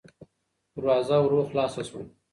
دروازه ورو خلاصه شوه.